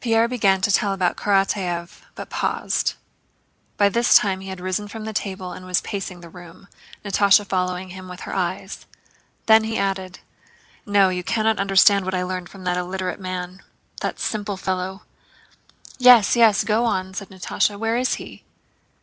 Pierre began to tell about Karatáev, but paused. By this time he had risen from the table and was pacing the room, Natásha following him with her eyes. Then he added: "No, you can't understand what I learned from that illiterate man—that simple fellow." "Yes, yes, go on!" said Natásha. "Where is he?"